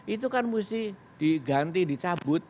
itu kan mesti diganti dicabut